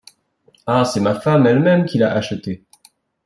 Ah ! c’est ma femme elle-même qui l’a acheté.